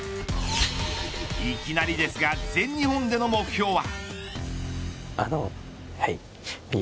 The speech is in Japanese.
いきなりですが全日本での目標は。